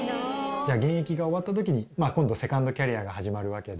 現役が終わった時に今度セカンドキャリアが始まるわけで。